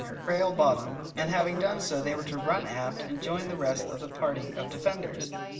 265 frail bottom, and having done so they were to run aft and join the rest of the party of defenders.